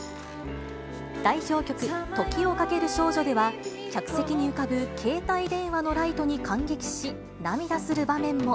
代表曲、時をかける少女では、客席に浮かぶ携帯電話のライトに感激し、涙する場面も。